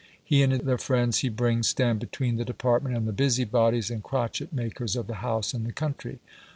He and the friends he brings stand between the department and the busybodies and crotchet makers of the House and the country.